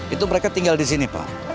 itu mereka tinggal di sini pak